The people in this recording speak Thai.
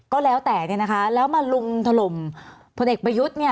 ก็แล้วแต่แล้วมาลุงถล่มพลเอกประยุทธ์